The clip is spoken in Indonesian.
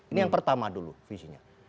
ini yang pertama dulu visinya